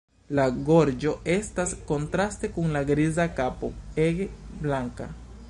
La gorĝo estas kontraste kun la griza kapo ege blanka.